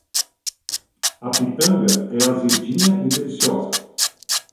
A pitanga é azedinha e deliciosa.